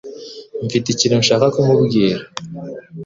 Mfite ikintu nshaka kumubwira.